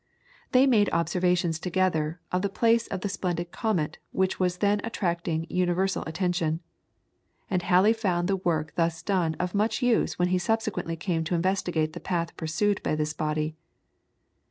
They made observations together of the place of the splendid comet which was then attracting universal attention, and Halley found the work thus done of much use when he subsequently came to investigate the path pursued by this body.